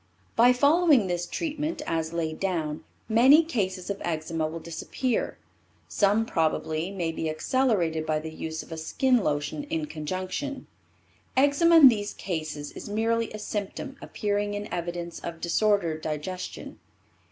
By following this treatment as laid down, many cases of eczema will disappear. Some probably, may be accelerated by the use of a skin lotion in conjunction. Eczema in these cases is merely a symptom appearing in evidence of disordered digestion.